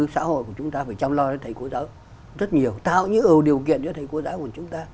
xã hội của chúng ta phải chăm lo đến thầy cô giáo rất nhiều tạo những ưu điều kiện cho thầy cô giáo